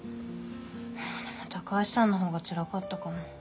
いやでも高橋さんの方がつらかったかも。